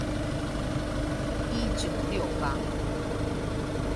一九六八